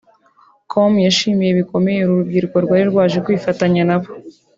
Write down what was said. com yashimiye bikomeye uru rubyiruko rwari rwaje kwifatanya nabo